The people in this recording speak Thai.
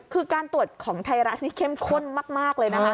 คือการตรวจของไทยรัฐนี่เข้มข้นมากเลยนะคะ